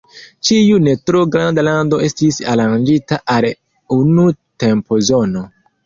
Ĉiu ne tro granda lando estis aranĝita al unu tempozono.